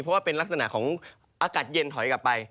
เพราะว่าเป็นลักษณะของอากาศเย็นถอยกลับไป